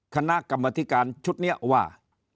คณะกรรมธิการชุดนี้ว่า